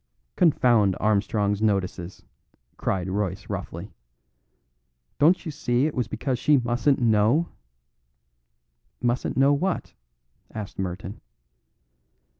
"Confound Armstrong's notices," cried Royce roughly. "Don't you see it was because she mustn't know?" "Mustn't know what?" asked Merton.